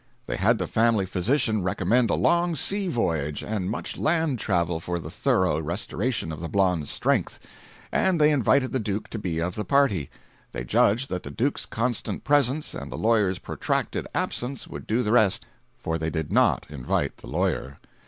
They had the family physician recommend a long sea voyage and much land travel for the thorough restoration of the blonde's strength; and they invited the Duke to be of the party. They judged that the Duke's constant presence and the lawyer's protracted absence would do the rest—for they did not invite the lawyer.